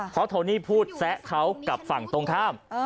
เพราะโทนี่พูดแซะเขากับฝั่งตรงข้าม